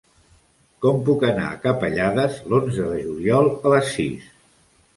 Com puc anar a Capellades l'onze de juliol a les sis?